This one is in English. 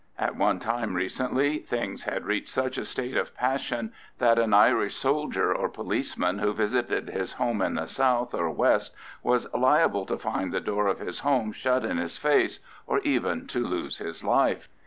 At one time recently things had reached such a state of passion that an Irish soldier or policeman who visited his home in the south or west was liable to find the door of his home shut in his face, and even to lose his life.